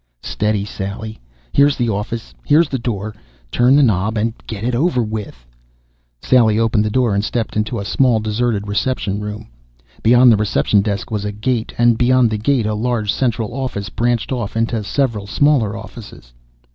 Steady, Sally! Here's the office, here's the door. Turn the knob and get it over with ... Sally opened the door and stepped into a small, deserted reception room. Beyond the reception desk was a gate, and beyond the gate a large central office branched off into several smaller offices.